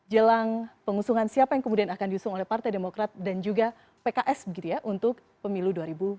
jelang pengusungan siapa yang kemudian akan diusung oleh partai demokrat dan juga pks begitu ya untuk pemilu dua ribu dua puluh